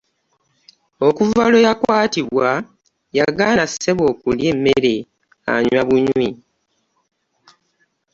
Okuva lwe yakwatibwa yagaana ssebo okulya emmere anywa bunywi.